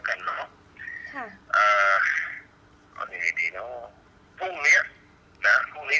คุณพ่อได้จดหมายมาที่บ้าน